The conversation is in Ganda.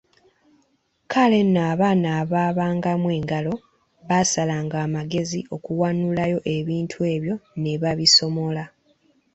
"Kale nno abaana abaabangamu engalo, baasalanga amagezi okuwanulayo ebintu ebyo ne babisomola."